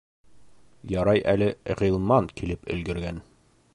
Ярай әле Ғилман килеп өлгөргән.